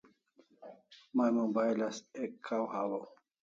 May mobile as ek kaw hawaw